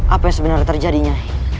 apa yang sebenarnya terjadinya